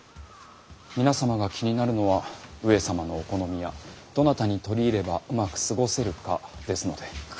皆様が気になるのは上様のお好みやどなたに取り入ればうまく過ごせるかですので。